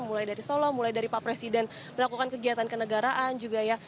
mulai dari solo mulai dari pak presiden melakukan kegiatan kenegaraan juga ya